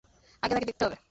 আগে তাকে দেখতে হবে।